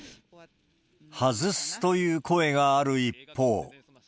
外すという声がある一方。